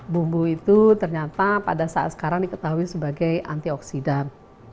bumbu itu ternyata pada saat sekarang diketahui sebagai antioksidan